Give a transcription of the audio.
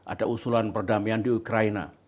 ada usulan perdamaian di ukraina